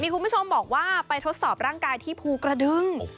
คุณผู้ชมบอกว่าไปทดสอบร่างกายที่ภูกระดึง